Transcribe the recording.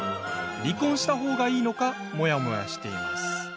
離婚したほうがいいのかモヤモヤしています。